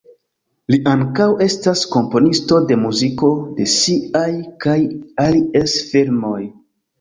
Li ankaŭ estas komponisto de muziko de siaj kaj alies filmoj.